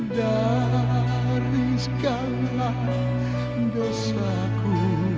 dari segala dosaku